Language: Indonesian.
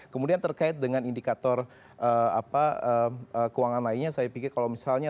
kemudian terkait dengan indikator keuangan lainnya saya pikir kalau misalnya